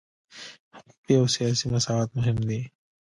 حقوقي او سیاسي مساوات مهم دي.